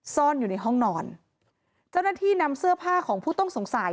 ซ่อนอยู่ในห้องนอนเจ้าหน้าที่นำเสื้อผ้าของผู้ต้องสงสัย